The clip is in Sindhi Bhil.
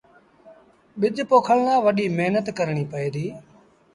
ٻج پوکڻ لآ وڏيٚ مهنت ڪرڻيٚ پئي ديٚ